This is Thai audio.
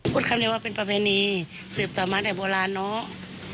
พูดคำนี้ว่าเป็นประเพณีสืบต่อมาตั้งแต่โบราณเนาะ